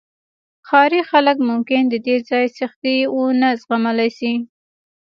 ښاري خلک ممکن د دې ځای سختۍ ونه زغملی شي